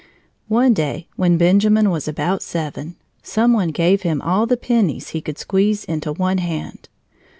One day when Benjamin was about seven, some one gave him all the pennies he could squeeze into one hand.